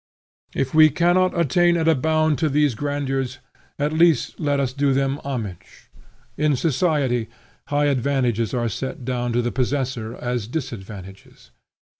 If we cannot attain at a bound to these grandeurs, at least let us do them homage. In society, high advantages are set down to the possessor as disadvantages.